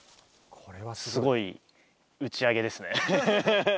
これはすごいうち上げですね。